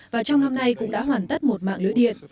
và trong năm nay cũng đã hoàn tất một mạng lưới điện